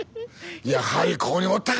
やはりここにおったか！